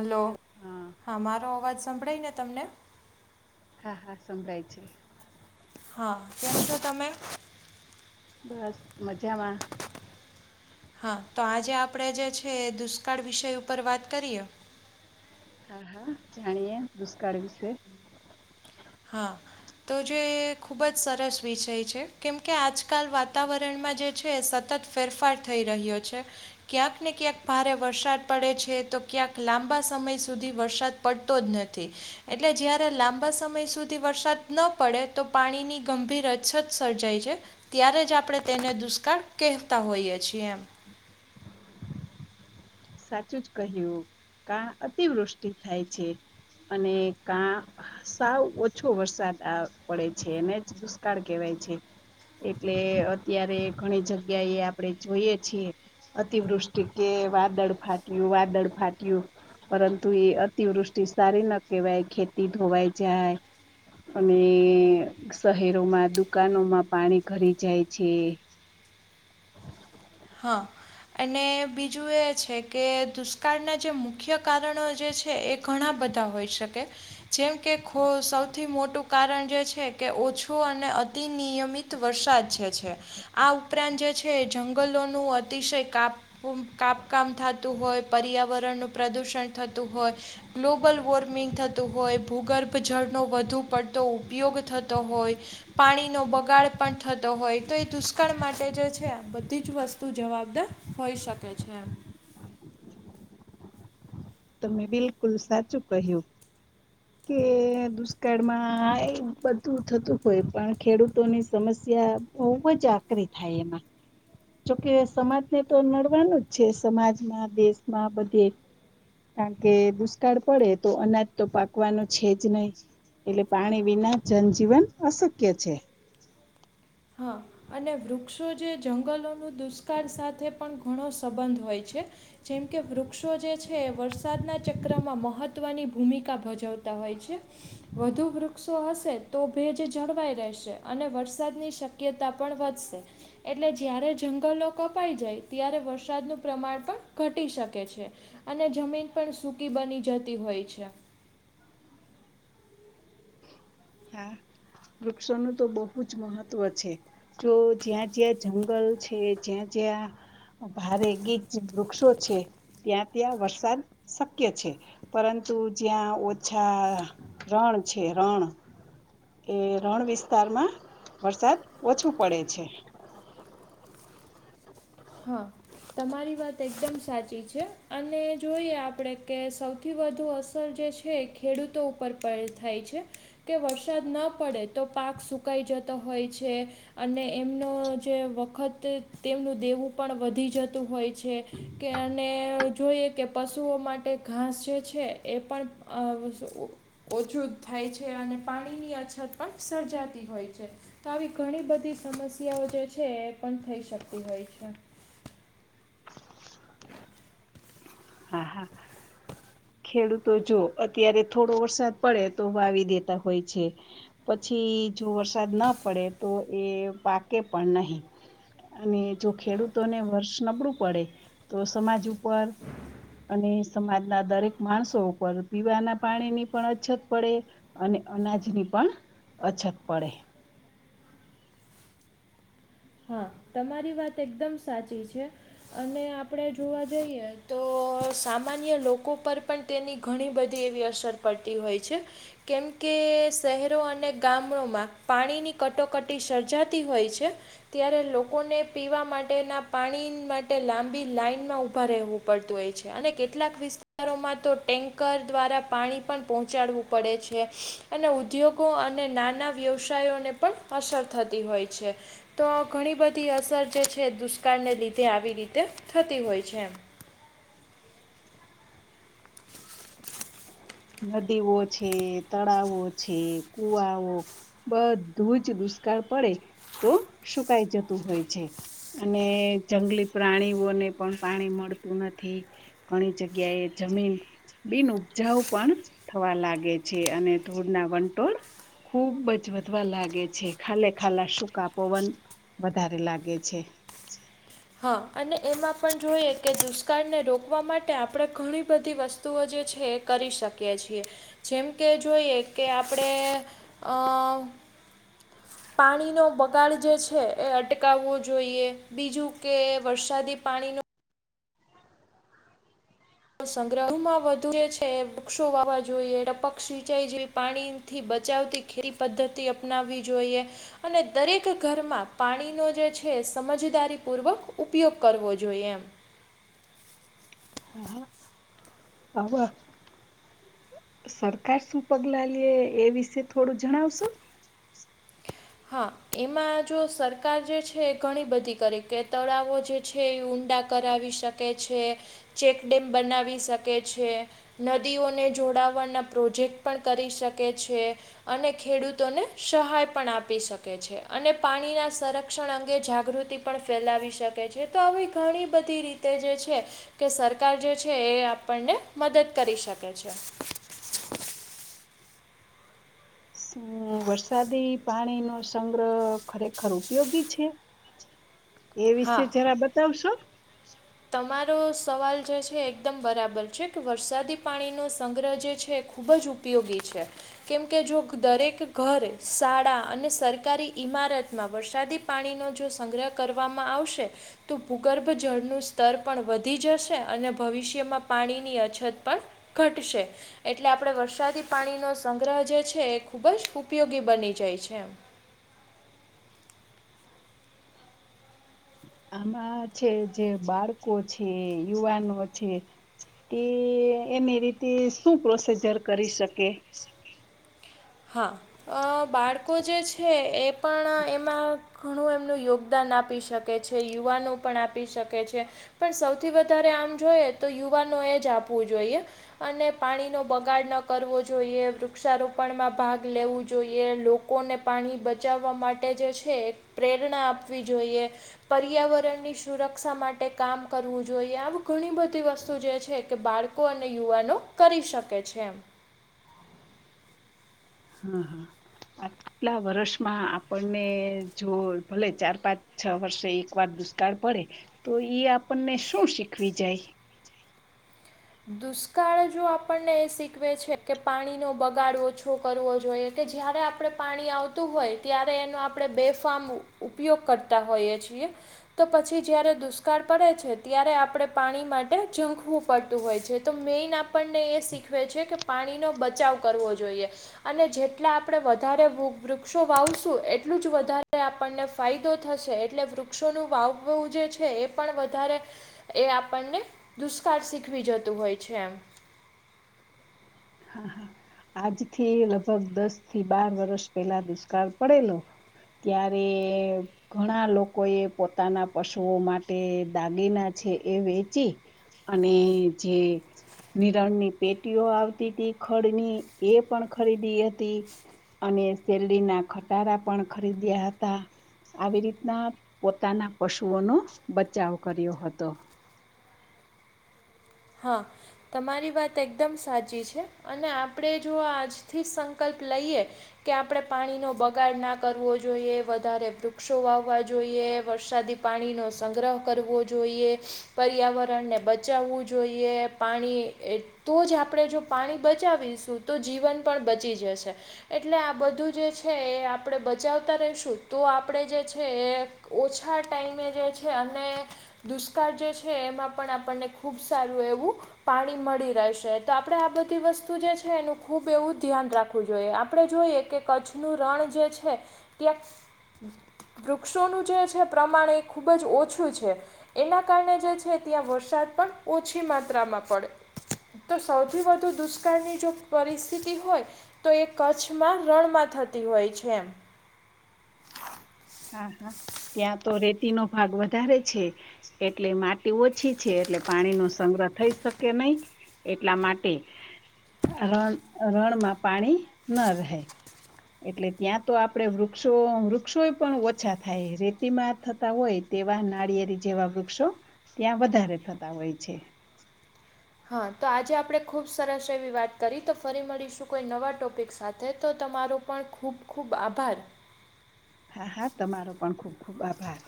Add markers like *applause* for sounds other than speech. Hello, હા મારો અવાજ સંભળાય ને તમને? હા હા સંભળાય છે. હા, કેમ છો તમે? બસ મજામાં. હા તો આજે આપણે જે છે, એ દુષ્કાળ વિષય ઉપર વાત કરીએ? હા હા જાણીએે દુષકાળ વિશે. હા. તો જે એ ખૂબ જ સરસ વિષય છે કેમ કે આજકાલ વાતાવરણમાં જે છે સતત ફેરફાર થઈ રહ્યો છે. ક્યાંક ને ક્યાંક ભારે વરસાદ પડે છે તો ક્યાંક લાંબા સમય સુધી વરસાદ પડતો જ નથી એટલે જય્યારે લાંબા સમય સુધી વરસાદ ન પડે તો પાણીની ગંભીર અછત સર્જાય છે. ત્યારે જ આપણે તેને દુષ્કાળ કહેતા હોઈએ છીએ એમ. સાચું જ કહ્યું કા અતિવૃષ્ટિ થાય છે. અને કા સાવ ઓછો વરસાદ પડે છે એને જ દુષ્કાળ કેહેવાય છે. એટલે અત્યારે ઘણી જગ્યા એ આપણેે જોઈએ છીએ અતિવૃષ્ટિ કે વાદળ ફાટય્યું વાદળ ફાટય્યું પરંતુ એ અતિવૃષ્ટિ સારી ના કહેવાય ખેતી ધોવાય જાય અને શહેરોમાં દુકાનોમાં પાણી ભરી જાય છે. હા. અને બીજું એ છે કે દુષ્કાળના જે મુખ્ય કારણો જે છે એ ઘણા બધા હોઈ શકે. જેમ કે સૌથી મોટું કારણ જે છે કે ઓછું અને અતિનિયમિત વરસાદ જે છે. આ ઉપરાંત જે છે એ જંગલોનું અતિશય કાપ કાપકામ થતું હોય, પર્યાવરણનું પ્રદુષણ થતું હોય ગ્લોબલ વોર્મિંગ થતું હોય, ભૂગર્ભ જળનો વધુ પડતો ઉપયોગ થતો હોય પાણીનો બગાડ પણ થતો હોય તો એ દુષ્કાળ માટે જે છે, બધી જ વસ્તુ જવાબદાર હોઈ શકે છે. તો મેં બિલકુલ સાચું કહ્યું. કે દુષ્કાળમાં એ બધું થતું હોય પણ ખેડૂતોની સમસ્યા બહુ જ આકરી થાય એમાં. જોકે સમાજ ને તો નડવાનું જ છે, સમાજમાં દેશમાં બધે. કારણ કે દુષ્કાળ પડે તો અનાજ તો પાક મૂકવાનું છે જ નહીં એટલે પાણી વિના જનજીવન અશક્ય છે. હા. અને વૃક્ષો જે જંગલોનું દુષ્કાળ સાથે પણ ઘણો સંબંધ હોય છે. જેમ કે વૃક્ષો જે છે એ વરસાદના ચક્રમાં મહત્વની ભૂમિકા ભજવતા હોય છે. વધુ વૃક્ષો હશે તો ભેજ જળવાઈ રહેશે અને વરસાદની શ શક્યતા પણ વધશે. એટલે જ્યારે જંગલો કપાઈ જાય, ત્યારે વરસાદનું પ્રમાણ પણ ઘટી શકે છે. અને જમીન પણ સૂકી બની જતી હોય છે. હા વૃક્ષોનું તો બહુ જ મહત્વ છે. જો જ્યાં જ્યાં જંગલ છે, જ્યાં જ્યાં ભારે ગીજ વૃક્ષો છે. ત્યાં ત્યાં વરસાદ શક્ય છે પરંતુ જ્યાં ઓછા રણ છે રણ. એ રણ વિસ્તારમાં વરસાદ ઓછું પડે છે. હા. તમારી વાત એકદમ સાચી છે અને જોઈએ આપડે કે સૌથી વધુ અસર જે છે છે ખેડૂતો ઉપર પણ થાય છે. કે વરસાદ ન પડે તો પાક સુકાઈ જતો હોય છે અને એમનો જે વખત તેમનું દેવું પણ વધી જતું હોય છે કે અને જોઈએ કે પશુઓ માટે ઘાસ જે છે એ પણ ઓછું થાય છે અને પાણીની અછત પણ સર્જાતી હોય છે. આવી ઘણી બધી સમ સ્યાઓ જે છે એ પણ થઈ શકતી હોય છે. હા હા. ખેડૂતો જો અત્યારે થોડો વરસાદ પડે તો વાવી દેતા હોય છે. પછી જો વરસાદ ના પડે તો એ પાકે પણ નહીં. અને જો ખેડૂતોને વર્ષ નબળું પડે તો સમાજ ઉપર અને સમાજના દરેક માણસો ઉપર પીવાના પાણીની પણ અછત પડે અને અનાજની પણ અચ્છત પડે. હા, તમારી વાત એકદમ સાચી છે. અને આપડે જોવા જઈએ તો સામાન્ય લોકો પર પણ તેની ઘણી બધી એવી અસર પડતી હોય છે. કેમકે શહેરો અને ગામડોમાં પાણીની કટોકટી સર્જાતી હોય છે. ત્યારે લોકોને પીવા માટેના પાણી માટે લાંબી લાનમાં ઊભા રહેવું પડતું હોય છે અને કેટલાક વિસ્તારોમાં તો ટેન્કર દ્વારા પાણી પણ પહોંચાડવું પડે છે અને ઉદ્યોગો અને નાના વ્યવસાયોને પણ અસર થતી હોય છે. તો ઘણી બધી અસર જે છે એ દુષ્કાળને લીધે આવી રીતે થતી હોય છે એમ. નદીઓ છે, તળાવો છે, કુવાઓ બધું જ દુષ્કાળ પડે, તો સુકાઈ જતું હોય છે. અને જંગલી પ્રાણીઓને પણ પાણી મળતું નથી. ઘણી જગ્યા એ જમીન બિન ઉપજાઉ પણ થવા લાગે છે અને ધૂળ ના વંટોળ ખુબ જ વધવા લાગે છે, ખાલે ખાલા સૂ કાપવન વધારે લાગે છે. હા અને એમાં પણ જોઈએ કે દુષ્કાળને રોકવા માટે આપણે ઘણી બધી વસ્તુ વતુ જે છે કરી શકીએ છીએ. જેમ કે જોઈએ કે આપણે અ પાણીનો બગાડ જે છે એ અટકાવવો જોઈએ. બીજું કે વરસાદી પાણીનું સંગ્રહમાં વધુ છે. વૃક્ષો વાવા જોઈએ, ટપક સિંચાઈ જોઈ પાણી થી બચાવતી ખેતી પદ્ધતિ અપનાવવી જોઈએ. અને દરેક ઘરમાં પાણીનો જે છે સમજદારી પૂર્વક ઉપયોગ કરવો જોઈએ એમ. હા. *inaudible* સરકાર શું પગલા લે એ વિશે થોડું જણાવશો? હા એમાં જો સરકાર જે છે એ ઘણી બધી કરે કે તળાવો જે છે ઊંડા કરાવી શકે છે, ચેકડેમ બનાવી શકે છે. નદીઓને જોડવાના પ્રોજેક્ટ પણ કરી શકે છે. અને ખેડૂતોને સહાય પણ આપે આપી શકે છે અને પાણીના સંરક્ષણ અંગે જાગૃતિ પણ ફેલાવી શકે છે. તો આવી ઘણી બધી રીતે જે છે કે સરકાર જે છે એ આપણને મદદ કરી શકે છે. વરસાદી પાણી નો સંગ્રહ ખરેખર ઉપયોગી છે? *unintelligible* એ વિશે હા જરા બતાવશો? તમારો સવાલ જે છે એકદમ બરાબર છે કે વરસાદી પાણીનો સંગ્રહ જે છે એ ખૂબ જ ઉપ ઉપયોગી છે. કેમકે જો દરેક ઘર શાળા અને સરકારી ઈમારતમાં વરસાદી પાણીનો જો સંગ્રહ કરવામાં આવશે. તો ભૂગર્ભ જળનું સ્તર પણ વધી જશે અને ભવિષ્યમાં પાણીની અછત પણ ઘટશે. એટલે આપડ વરસાદી પાણીનો સંગ્રહ જે છે, એ ખુબ જ ઉપયોગી બની જાય છે. આમાં છે જે બાળકો છે, યુવાનો છે તે એની રીતે શું પ્રોસીજર કરી શકે? હા બાળકો જે છે એ પણ એમાં ઘણું એમનું યોગદાન આપી શકે છે. યુવાનો પણ આપી શકે છે. પણ સૌથી વધારે આમ જોઈએ તો યુવાનો એ જ આપવું જોઈએ. અને પાણી નો બગાડ ન કરવો જોઈએ, વૃક્ષારોપણમાં ભાગ લેવું જોઈએ, લોકોને પાણી બચાવવા માટે જે છે પ્રેરણા આપ આપવી જોઈએ. પર્યાવરણની સુરક્ષા માટે કામ કરવું જોઈએ. આ ઘણી બધી વસ્તુ જે છે કે બાળકો કો અને યુવાનો કરી શકે છે એમ. હા. *inaudible* કેટલા વર્ષમાં આપણને જો ભલે ચાર પાંચ છ વર્ષે એક વાર દુષ્કાળ પડે તો ઈ આપણને શું શીખવી જાય? દુષ્કાળ જો આપણને એ શીખવે છે કે, પાણીનો બગાડ ઓછો કરવો જોઈએ. કે જ્યારે આપણે પાણી આવતું હોય ત્યારે એનો આપણે બેફામ ઉપયોગ કરતા હોઈએ છીએ. તો પછી જ્યારે દુષ્કાળ પડે છે. ત્યારે આપણે પાણી માટે ઝૂંકવું પડ હોય છે તો મેઈન આપણને એ શીખવે છે કે પાણીનો બચાવ કરવો જોઈએ. અને જેટલા આપણે વધારે વૃક્ષો વાવશું એટલું જ વધારે આપણને ફાયદો થશે એટલે વૃક્ષોનું વાવવું જે છે એ પણ વધારે એ આપણને દુષ્કાળ શીખવી જતું હોય છે એમ. હા હા આજથી લગભગ દસ થી બાર વર્ષ પેલા દુષ્કાળ પડેલો ત્યારે ઘણા લોકો એ પોતાના પશુઓ માટે દાગીના છે એ વેચી અને જે મિરરની પેટીઓ આવ તી તી. એ ખડની એ પણ ખરીદી હતી. અને શેરડીના ખટારા પણ ખરીદ્યા હતા. આવી રીતના પોતાના પશુઓનો બચાવ કર્યો હતો. હા તમારી વાત એકદમ સાચી છે અને આપણે જો આજથી જ સંકલ્પ લઈએ કે આપણે પાણીનો બગાડ ના કરવો જોઈએ, વધારે વૃક્ષો વાવવા જોઈએ, વરસાદી પાણીનો સંગ્રહ કરવો જોઈએ, પર્યાવરણને બચાવવું જોઈ જોઈએ પાણી એ તો જ આપણે જો પાણી બચાવીશું તો જીવન પણ બચી જશે. એટલે આ બધું જે છે એ આપણે બચાવતા રહીશું. તો આપણે જે છે એ ઓછા ટાઈમે જે છે અને દુષ્કાળ જે છે એમાં પણ આપણને ખુબ સારું એવું પાણી મળી રહેશે. તો આપણેે આ બધી વસ્તુ જે છે એનું ખૂબ એવું ધ્યાન રાખવું જોઈએ. આપણે જોઈએ કે, કચ્છનું રણ જે છે ત્યાં વૃક્ષોનું જે છે પ્રમાણ એ ખૂબ જ ઓછું છે. એના કારણે જે છે ત્યાં વરસાદ પણ ઓછી માત્રામાં પડે તો સૌથી વધુ દુષ્કાળની જો પરિસ્થિતિ હોય તો એ કચ્છમાં રણમાં થતી હોય છે એમ હા હા ત્યાં તો રેતી નો ભાગ વધારે છે એટલે માટી ઓછી છે એટલે પાણી નો સંગ્રહ થઈ શકે નહી એટલા માટે રણ રણમાં પાણી ન રહે. એટલે ત્યાં તો આપણે વૃક્ષો વૃક્ષો એ પણ ઓછા થાય. રેતીમાં થતા હોય તેવા નારિયેળી જેવા વૃક્ષો ત્યાં વધારે થતા હોય છે. હા તો આજે આપણે ખૂબ સરસ એવી વાત કરી તો ફરી મળીશું કોઈ નવા ટોપિક સાથે તો તમારું પણ ખૂબ ખૂબ આભાર. હા હા તમારો પણ ખૂબ ખૂબ આભાર.